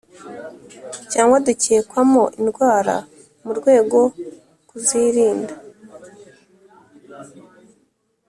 Cyangwa dukekwamo indwara mu rwego kuzirinda